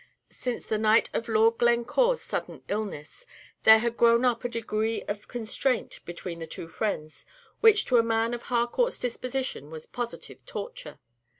Since the night of Lord Glencore's sudden illness, there had grown up a degree of constraint between the two friends which to a man of Harcourt's disposition was positive torture.